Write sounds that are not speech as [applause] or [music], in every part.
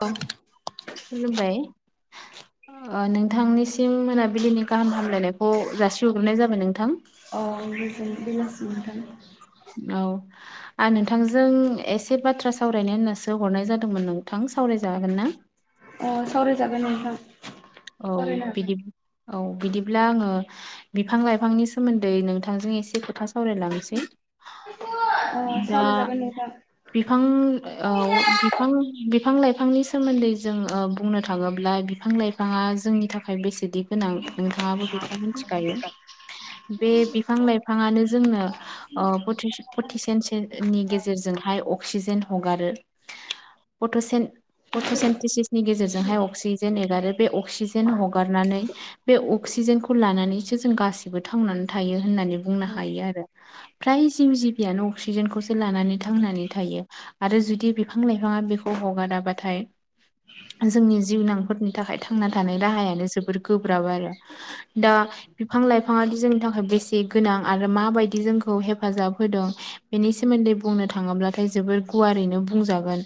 औ खुलुमबाय नोंथांनिसिम मोनाबिलिनि गाहाम हामलायनायखौ जासिहग्रोबनाय जाबाय नोंथां अ आं गोजोन बेलासि मोनथोन औ आरो नोंथांजों एसे बाथ्रा सावरायनो होननासो हरनाय जादोंमोन नोंथां सावरायजागोन ना अ सावरायजागोन नोंथां औ सावरायनो बिदि औ बिदिब्ला आङो बिफां लाइफांनि सोमोन्दै नोंथांजों एसे खोथा सावरायलांसै हागोन अ दा सावरायजागोन नोंथां बिफां औ बिफां बिफां लाइफांनि सोमोन्दै जों बुंनो थाङोब्ला बिफां लाइफां थाङा जोंनि थाखाय बेसेदि गोनां नोंथाङाबो बेखौ मिथिखायो बे बिफां लाइफाङानो जोंनो ओ पतसेननि गेजेरजोंहाय अक्सिजेन हगारो फट'से पट'सेन्टिसिसनि गेजेरजोंहाय अक्सिजेन एगारो बे अक्सिजेन हगारनानै बे अक्सिजेनखौ लानानैसो जों गासिबो थानानै थायो होननानै बुंनो हायो आरो फ्राय जिउ जिबियानो अक्सिजेनखौसो लानानै थांनानै थायो आरो जुदि बिफां लाइफाङा बेखौ हगाराबाथाय जोंनि जिउनांफोरनि नि थाखाय थांना थानाय राहायानो जोबोर गोब्राब आरो दा बिफां लाइफाङादि जोंनि थाखाय बेसे गोनां आरो माबायदि जोंखौ हेफाजाब होदों बेनि सोमोन्दै बुंनो थाङोब्लाथाय जोबोर गुवारैनो बुंजागोन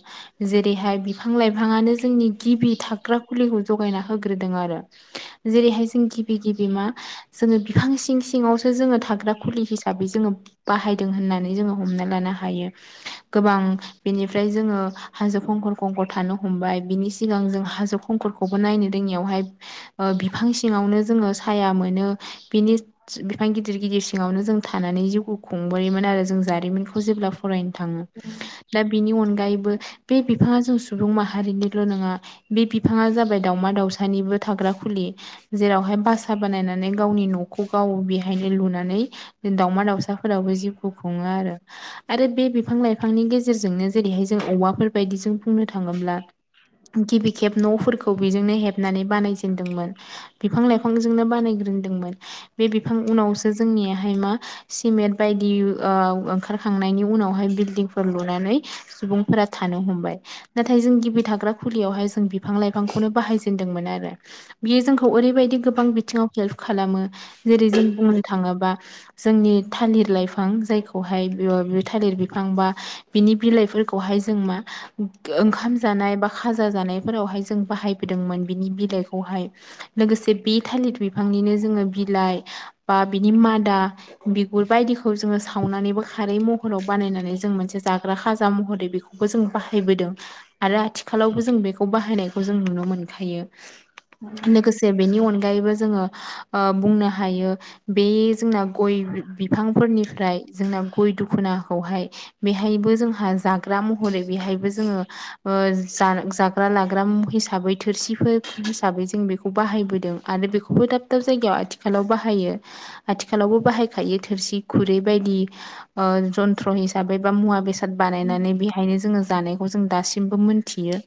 जेरैहाय बिफां लाइफाङानो जोंनि गिबि थाग्रा फुलिखौ जगायना होग्रोदों आरो जेरैहाय जों गिबि गिबि मा जोङो बिफां सिङावसो जोङो थाग्रा खुलि हिसाबै जोङो बाहायदों होननानै जोङो हमना लानो हायो गोबां बेनिफ्राय जोङो हाजो खंखर खंखर थानो हमबाय बिनि सिगां जों हाजो हंखरखौबो नायनो रोङियावहाय बिफां सिङावनो जोङो साया मोनो बिनि बिफां गिदिर गिदिर सिङावनो जों थानानै जिउखौ खुंबोयोमोन आरो जों जारिमिनखौ खौ जेब्ला फरायनो थाङो दा बिनि अनगायैबो बे बिफाङा जों सुबुं माहारिनिल' नङा बे बिफाङा जाबाय दावमा दाावसानिबो थाग्रा खुलि जेरावहाय बासा बानायनानै गावनि न'खौ गाव बेहायनो लुनानै दाावमा दाउसाफोरावबो जिउखौ खुङो आरो आरो बे बिफां लाइफांनि गेजेरजोंनो जेरैहाय जों औवाफोर बायदिजों बुंनो थाङोब्ला गिबि खेब न'फोरखौ बेजोंनो हेबनानै बानायजेनदोंमोन बिफां लाइफांजोंनो बानायग्रोनदोंमोन बे बिफां उनावसो जोंनियहाय मा सिमेन्ट बायदि ओंखारखांनायनि उनावहाय बिलदिंफोर लुनानै सुबुंफोरा थानो हमबाय नाथाय जों गिबि थाग्रा खुलियावहाय जों बिफां लाइफां खौनो बाहायजेनदोंमोन आरो बियो जोंखौ ओरैबायदि गोबां बिथिङाव हेल्प खालामो जेरै जों बुंनो थाङोबा जोंनि थालिर लाइफां जायखौहाय थालिर बिफां बा बिनि बिलाइफोरखौहाय जों मा ओंखाम जानाय बा खाजा जानाय फोरावहाय जों बाहायबोदोंमोन बिनि बिलाइखौहाय लोगोसे बे थालिर बिफांनिनो जोङो बिलाइ बा बिनि मादा बिगुर बायदिखौ जोङो सावनानैबो खारै महराव बानायनानै जों मोनसे जाग्रा खाजा महरै बेखौबो जों बाहायबोदों आरो आथिखालावबो जों बे खौ बाहायनायखौ जों नुनो मोनखायो लोगोसे बेनि अनगायैबो जोङो ओ बुंनो हायो बे जोंना गय बिफांफोरनिफ्राय जोंना गय दुखुनाखौहाय बेहायबो जोंहा जाग्रा महरै बेहायबो जोङो जा लाग्रा हिसाबै थोरसिफोर हिसाबै जों बेखौ बाहायबोदों आरो बेखौबो दाब दाब जायगायाव आथिखाल आथिखालाव बाहायो आथिखालावबो बाहायखायो थोरसि खुरै बायदि ओ जन्थ्र हिसाबै बा मुवा बेसाद बेसाद बानायनानै बेहायनो जोङो जानायखौ जों दासिमबो मोन्थियो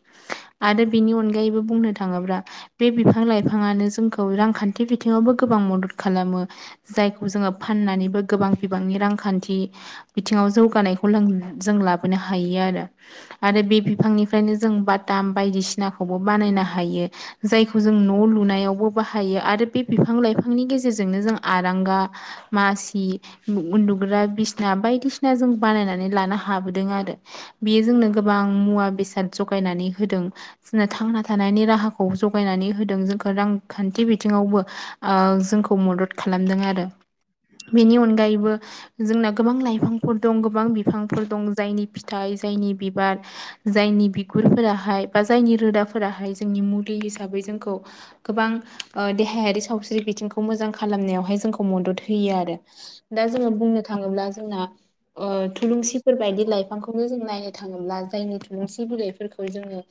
आरो बिनि अनगायैबो बुंनो थाङोब्ला बे बिफां लाइफाङानो जोंखौ रांखान्थि बिथिङावबो गोबां मदद खालामो जायखौ जोङो फाननानैबो गोबां बिबांनि रांखान्थि बिथिङाव जौगानायखौ लों जों लाबोनो हायो आरो आरो बे बिफांनिफ्रायनो जों बाताम बायदिसिनाखौबो बानायनो हायो जायखौ जों न' लुनायावबो बाहायो आरो बे बिफां लाइफांनि गेजेरजोंनो जों आरांगा मासि उन्दुग्रा बिसना बायदिसिना जों बानायनानै लानो हाबोदों आरो बेयो जोंनो गोबां मुवा बेसाद जगायनानै होदों जोंनो थांना थानायनि राहाखौ जगायनानै होदों जोंखौ रां खान्थि बिथिङावबो जोंखौ मदद खालामदों आरो बेनि अनगायैबो जोंना गोबां लाइफांफोर दं गोबां बिफांफोर दं जायनि फिथाइ जायनि बिबार जायनि बिगुरफोराहाय बा जायनि रोदाफोराहाय जोंनि मुलि हिसाबै जोंखौ गोबां देहायारि सावस्रि बिथिंखौ मोजां खालामनायावहाय जोंखौ मदद होयो आरो दा जोङो बुंनो थाङोब्ला जोंना थुलुंसिफोर बायदि लाइफांखौनो जों नायनो थाङोब्ला जायनि थुलुंसि बिलाइफोरखौ जोङो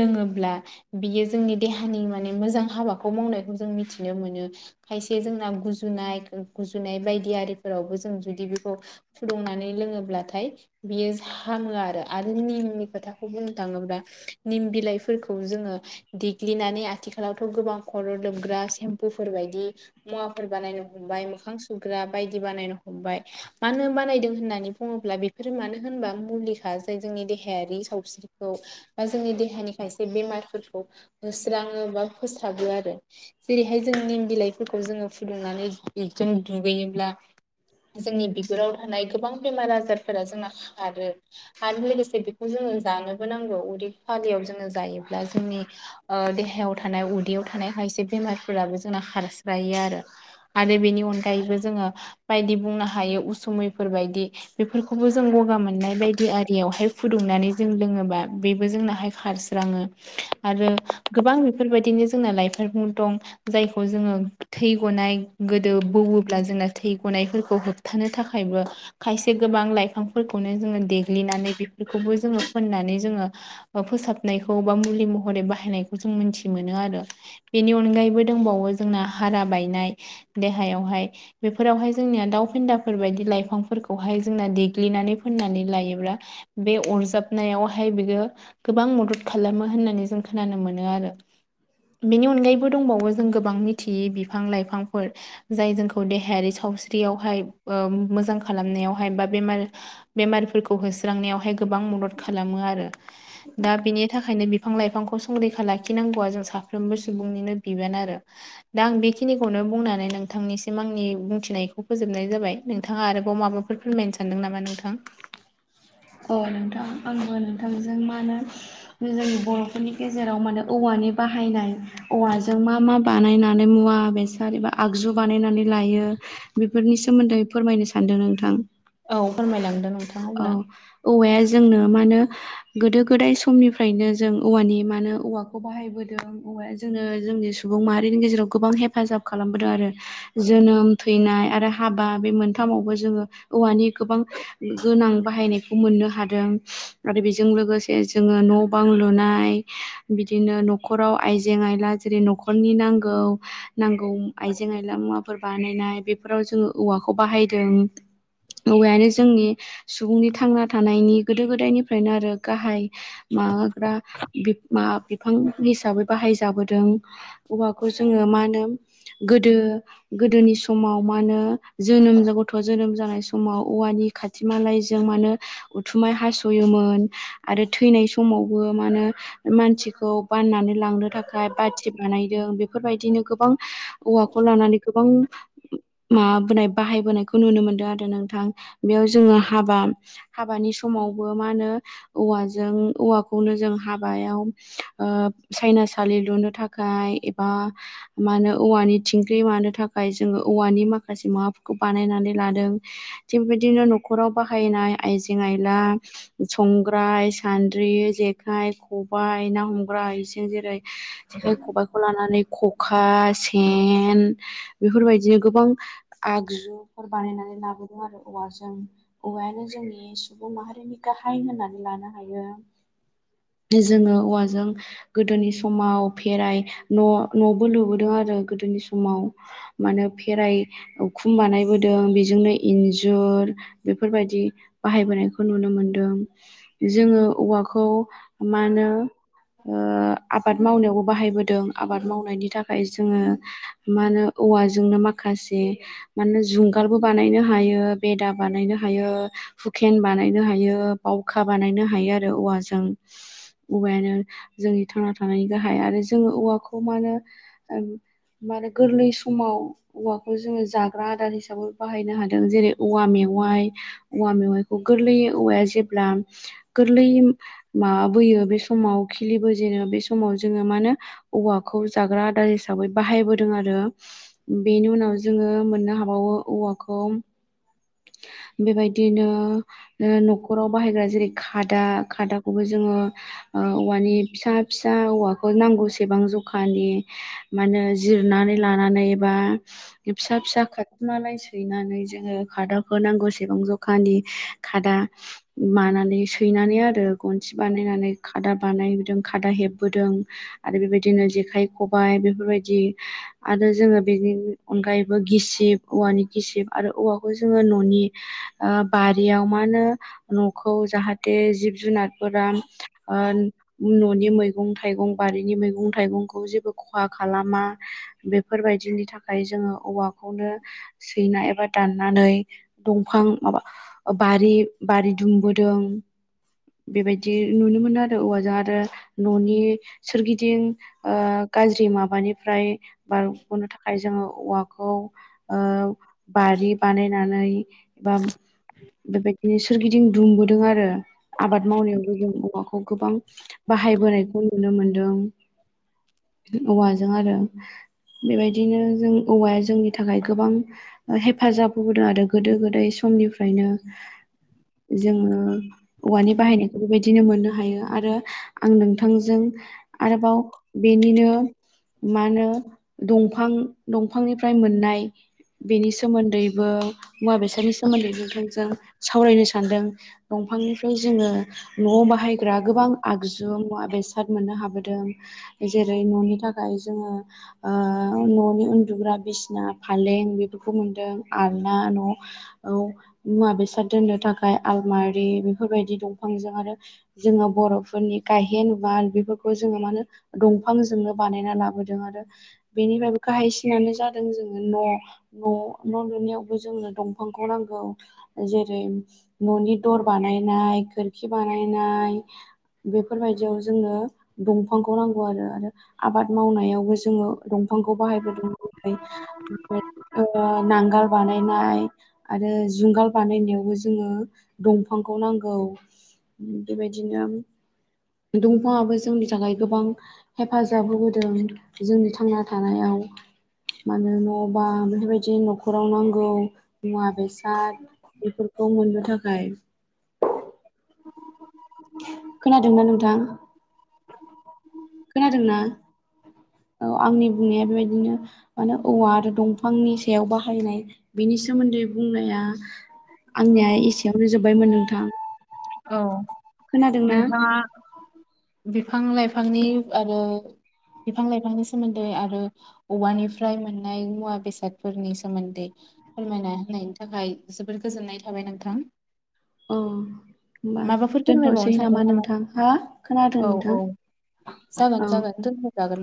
लोङोब्ला बियो जोंनि देहानि माने मोजां हाबाखौ मावनायखौ जों मिथिनो मोनो खायसे जोंना गुजुनाय गुजुनाय बायदि आरिफोरावबो जों जुदि बेखौ फुदुंनानै लोङोब्लाथाय बियो हामो आरो आरो निमनि खोथाखौ बुंनो थाङोब्ला निम बिलाइफोरखौ जोङो देग्लिनानै आथिखालावथ' गोबां खर' लोबग्रा सेम्पुफोर बायदि मुवाफोर बानायनो हमबाय मोखां सुग्रा बायदि बानायनो हमबाय मानो होन बानायदों होननानै बुङोब्ला बे फोर मानो होनबा मुलिखा जाय जोंनि देहायारि सावस्रिखौ बा जोंनि देहानि खायसे बेमारफोरखौ होस्राङो बा फोसाबो आरो जेरैहाय जों निम बिलाइफोरखौ जोङो फुदुंनानै बेजों दुगैयोब्ला जोंनि बिगुराव थानाय गोबां बेमार आजारफोरा जोंना खारो आरो लोगोसे बेखौ जोङो जानोबो नांगौ उदै खालियाव जोङो जायोब्ला जोंनि देहायाव थानाय उदैयाव थानाय खायसे बेमारफोराबो जोंना खारस्रायो आरो आरो बेनि अनगायैबो जोङो बायदि बुंनो हायो उसुमैफोर बायदि बेफोरखौबो जों गगा मोनो मोननाय आरि बायदिफोराव जों फुदुंनानै लोङोब्ला बे बेबो जोंनाहाय खारस्राङो आरो गोबां बेफोरबायदि नो जोंना लाइफां मुलिफोर दं जायखौ जोङो थै गनाय गोदो बौवोब्ला जोंना थै गनायफोरखौ होबथानो थाखायबो खायसे गोबां लाइफां फोरखौनो जोङो देग्लिनानै बेफोरखौबो जोङो फोननानै जोङो फोसाबनायखौ बा मुलि महरै बाहायनायखौ जों मोनथि मोनो आरो बेनि अनगायैबो दंबावो जोंना हारा बायनाय देहायावहाय बे फोरावहाय जोंनिया दाउ फेन्दाफोरबायदि लाइफांफोरखौहाय जोंना देग्लिनानै फोननानै लायोब्ला बे अरजाबनायावहाय बियो गोबां मदद खालामो होननानै जों खोनानो मोनो आरो बेनि अनगायैबो दंबावो जों गोबां मिथियै बिफां लाइफांफोर जाय जोंखौ देहायारि सावस्रियावहाय मोजां खालामनायावहाय बा बेमारफोरखौ होस्रांनायावहाय गोबां मदद खालामो आरो दा बिनि थाखायनो बिफां लाइफांखौ संरैखा लाखिनांगौआ जों साफ्रोमबो सुबुंनिनो बिबान आरो दा आं बेखिनिखौनो बुंनानै नोंथांनिसिम आंनि बुंथिनायखौ फोजोबनाय जाबाय नोंथाङा आरोबाव माबा फोर फोरमायनो सानदों नामा नोंथां अ नोंथां आंबो नोंथांजों मा होनो जोंनि बर'फोरनि गेजेराव माने औवानि बाहायनाय औवाजों मा मा बानायनानै मुवा बेसाद एबा आगजु बानायनानै लायो बेफोरनि सोमोन्दै फोरमायनो सानदों नोंथां औ फोरमायलांदों नों औ औवाया जोंनो मा होनो गोदो गोदाय समनिफ्रायनो जों औवानि म होनो औवाखौ बाहायबोदों जोङो जोंनि सुबुं माहारिनि गेजेराव गोबां हेफाजाब खालामबोदों आरो जोनोम थैनाय आरो हाबा बे मोनथामावबो जोङो औवानि गोबां गोनां बाहायनायखौ मोननो हादों आरो बेजों लोगोसे जोङो न' बां लुनाय बिदिनो न'खराव आइजें आयला जेरै न'खरनि नांगौ नांगौ आइजें आइला मुवा फोरफोर बानायनाय बेफोराव जोङो औवाखौ बाहायदों औवायानो जोंनि सुबुंनि थांना थानायनि गोदो गोदायनिफ्रायनो आरो गाहाय माबाग्रा मा बिफां हिसाबै बाहायजाबोदों औवाखौ जोङो मा होनो गोदो गोदोनि समाव मा होनो जोनोम गथ' जोनोम जानाय समाव औवानि खाथि मालायजों मान उथुमाय हास'योमोन आरो थैनाय समावबो मा होनो मानसिखौ बाननानै लांनो थाखाय बाथि बानायदों बेफोरबायदिनो गोबां औवाखौ लानानै गोबां माबाबोनाय बाहायबोनायखौ नुनो मोनदों आरो नोंथां बेयाव जोङो हाबा हाबानि समावबो मा होनो औवाजों औवाखौनो जों हाबायाव साइनासालि लुनो थाखाय एबा मा होनो औवानि थिंख्रि मानो थाखाय जोङो औवानि माखासे माबाफोरखौ बानायनानै लादों थिग बिदिनो न'खराव बाहायनाय आइजें आयला संग्राय सान्द्रि जेखाइ खबाय ना हमग्रा इसें जेरै जेखाय खबायाइखौ लानानै खखा सेन बेफोरबायदिनो गोबां आगजु बानायनानै लाबोदों आरो औवाजों औवायानो जोंनि सुबुं माहारिनि गाहाय होननानै लानो हायो [inaudible] जोङो औवाजों गोदोनि समाव फेराइ न नबो लुबोदों आरो गोदोनि समाव माने खेराइ उखुम बानायबोदों बेजोंनो इन्ज जर बेफोरबायाददि बाहायबोनायखौ नुनो मोनदों जोङो औवाखौ मा होनो आबाद मावनायावबो बाहायबोदों आबाद मावनायनि थाखाय जोङो मा होनो औवाजोंनो माखासे मानो जुंगालबो बानायनो हायो बेदा बानायनो हायो हुखेन बानायनो हायो बावखा बानायनो हायो आरो औवाजों औवायानो जोंनि थांना थानायनि गाहाय आरो जोङो औवाखौ मा होनो मान गोरलै समाव औवाखौ जोङो जाग्रा आदार हिसाबै बाहायनो हादों जेरै औवा मेवाइ औवा मेवाइखौ गोरलै औवाया जेब्ला गोरलै माबाबोयो बे समाव खिलिबो जेनो बे समाव जोङो मा होनो औवाखौ जाग्रा आदार हिसाबै बाहायबोदों आरो बेनि उनाव जोङो मोननो हाबावो औवाखौ बेबायदिनो न'खराव बाहायग्रा जेरै खादा खादाखौबो जोङो औवानि फिसा फिसा औवाखौ नांगौसेबां जखानि मा होनो जिरनानै लानानै बा फिसा फिसा खारथुमनानै सैनानै जोङो खादाफोर नांगौसेबां जखानि खादा मानानै सैनानै आरो गनसि बानायनानै खादा बानायबोदों खादा हेबबोदों आरो बेबायदिनो जेखाइ खबाइ बेफोरबायदि आरो जोङो बेनि अनगायैबो गिसिब औवानि गिसिब आरो औवाखौ खौ जोङो न'नि ओ बारियाव मा होनो न'खौ जाहाथे जिब जुनारफोरा ओ न'नि मैगं थाइगं बारिनि मैगं थाइगंखौ जेबो खहा खालामा बेफोरबायदिनि थाखाय जोङो औवाखौनो सैना एबा दान नानै दंफां माबा बारि बारि दुमबोदों बेबायदि नुनो मोनो आरो औवाजों आरो न'नि सोरगिदिं ओ गाज्रि माबानिफ्राय बारग'नो थाखाय जोङो औवाखौ ओ बारि बानायनानै एबा बेबायदिनो सोरगिदिं दुमबोदों आरो आबाद मावनायावबो जों औवाखौ गोबां बाहायबोनायखौ नुनो मोनदों औवाजों आरो बेबायदिनो जों औवाया जोंनि थाखाय गोबां हेफाजाब होबोदों आरो गोदो गोदाय समनिफ्रायनो जोङो औवानि बाहायनायखौ बेबायदिनो मोननो हायो आरो आं नोंथांजों आरोबाव बेनिनो मा होनो दंफां दंफांनिफ्राय मोननाय बेनि सोमोन्दैबो मुवा बेसादनि सोमोन्दै नोंथांजों सावरायनो सानदों दंफांनिफ्राय जोङो न'आव बाहायग्रा गोबां आगजु मुवा बेसाद मोननो हाबोदों जेरै न'नि थाखाय जोङो ओ न'नि उन्दुग्रा बिसिना फालें बेफोरखौ मोनदों आलना न' औ मुवा बेसाद दोननो थाखाय आलमारि बेफोरबायदि दंफांजों आरो जोङो बर'फोरनि गायहेन बार बेफोरखौ जोङो मा होनो दंफांजोंनो बानायना लाबोदों आरो बेनिफ्रायबो गाहायसिनानो जादों जोङो न' न' न' लुनायावबो जोंनो दंफांखौ नांगौ जेरै न'नि दर बानायनाय खोरखि बानायनाय बेफोरबायदियाव जोंनो दंफांखौ नांगौ आरो आरो आबाद मावनायावबो जोङो दंफांखौ बाहायबोदों ओमफ्राय ओमफ्राय ओ नांगाल बानायनाय आरो जुंगाल बानायनायावबो जोङो दंफांखौ नांगौ बेबायदिनो दंफांआबो जोंनि थाखाय गोबां हेफाजाब होबोदों जोंनि थांना थानायाव मानो न' बां बेफोरबायदि न'खराव नांगौ मुवा बेसाद बेफोरखौ मोननो थाखाय [inaudible] खोनादोंना नोंथां खोनादोंना औ आंनि बुंनाया बेबायदिनो माने औवा आरो दंफांनि सायाव बाहायनाय बेनि सोमोन्दै बुंनाया आंनिया एसेयावनो जोब्बायमोन नोंथां औ खोनादोंना नोंथांङा बिफां लाइफांनि आरो बिफां लाइफांनि सोमोन्दै आरो औवानिफ्राय मोननाय मुवा बेसादफोरनि सोमोन्दै फोरमायना होननायनि थाखाय जोबोद गोजोननाय थाबाय नोंथां अ होमबा माबाफोर फोरमायबावनो दोनथ'नोसै सानदों नामा नोंथां हा खोनादों औ औ नोंथां जागोन औ जागोन दोनथ' जागोन